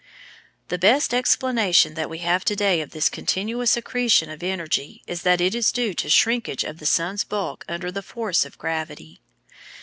The best explanation that we have to day of this continuous accretion of energy is that it is due to shrinkage of the sun's bulk under the force of gravity.